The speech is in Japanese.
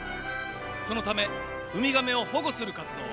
そのためウミガメを保護する活動。